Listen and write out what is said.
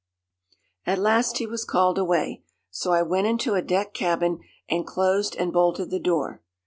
"At last he was called away. So I went into a deck cabin, and closed and bolted the door.